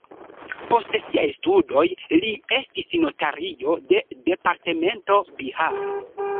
Post siaj studoj li estis notario de departemento Bihar.